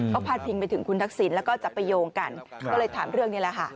ก็พาดพิงไปถึงคุณทักษิณแล้วก็จะไปโยงกันก็เลยถามเรื่องนี้แหละค่ะ